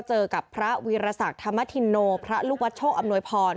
เจอกับพระวีรศักดิ์ธรรมธินโนพระลูกวัดโชคอำนวยพร